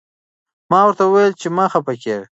ما ورته وویل چې مه خفه کېږه.